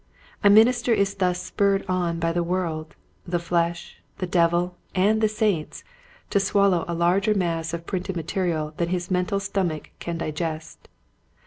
A minister is thus spurred on by the world, the flesh, the devil, and the saints to swal low a larger mass of printed material than his mental stomach can digest.